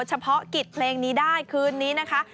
เฉพาะกิจเพลงนี้ได้คืนนี้นะคะ